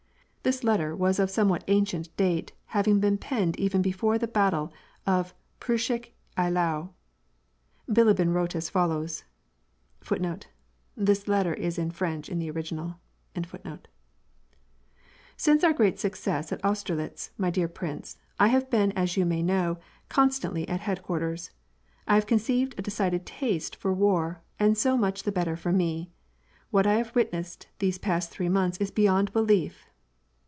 This letter was of somewhat ancient date, having been penned even before the battle of Preussisch Eylau. Bilibin wrote as follows :*— Since our great success at Austerlitz, niy dear prince. I have been, as you may know, constantly at headquarters. I have conceived a de cided taste for war and so much the better for me. What I have wit^ nessed these past three months is beyond belief